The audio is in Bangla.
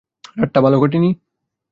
রাতটা ভালো কাটেনি?